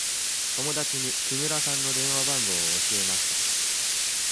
友達に木村さんの電話番号を教えました。